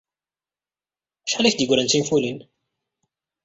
Acḥal ay ak-d-yeggran d tinfulin?